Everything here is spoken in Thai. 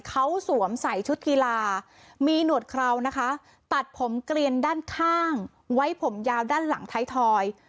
เขาสวมใส่ชุดกีฬามีหนวดคราวนะคะตัดผมเกลียนด้านข้างไว้ผมยาวด้านหลังไทยทอย